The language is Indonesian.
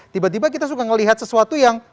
tiba tiba kita suka melihat sesuatu yang